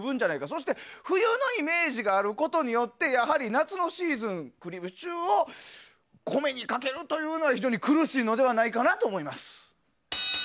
そして、冬のイメージがあることによってやはり夏のシーズンクリームシチューを米にかけるというのは非常に苦しいのではないかなと思います。